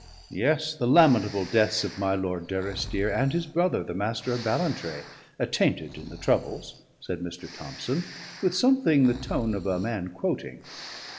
"Yes, the lamentable deaths of my Lord Durrisdeer and his brother, the Master of Ballantrae (attainted in the troubles)," said Mr. Thomson with something the tone of a man quoting.